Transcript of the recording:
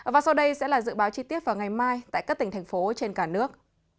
và sau đây sẽ là dự báo chi tiết vào ngày mai tại các tỉnh thành phố trên cả nước